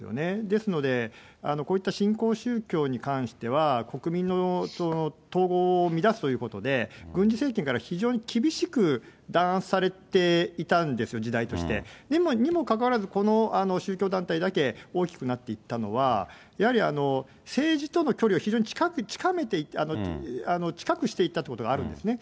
ですので、こういった新興宗教に関しては、国民の統合を乱すということで、軍事政権から非常に厳しく弾圧されていたんですよ、時代として。にもかかわらず、この宗教団体だけ大きくなっていったのは、やはり政治との距離を非常に近くしていったということがあるんですね。